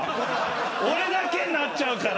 俺だけになっちゃうから。